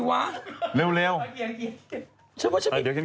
ใครวะ